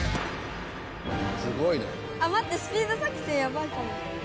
あ待ってスピード作戦ヤバいかも。